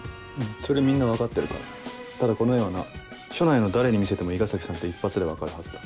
それみんな分かってるからただこの絵はな署内の誰に見せても伊賀崎さんって一発で分かるはずだ。